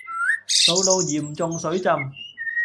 道路嚴重水浸